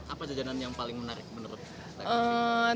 apa jajanan yang paling menarik menurut saya